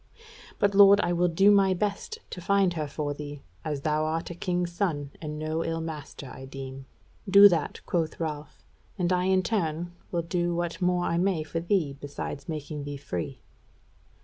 But, lord, I will do my best to find her for thee; as thou art a king's son and no ill master, I deem." "Do that," quoth Ralph, "and I in turn will do what more I may for thee besides making thee free."